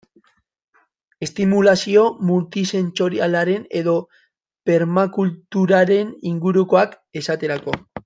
Estimulazio multisentsorialaren edo permakulturaren ingurukoak, esaterako.